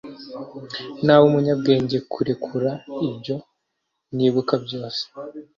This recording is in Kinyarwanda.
Naba umunyabwenge kurekura ibyo nibuka byose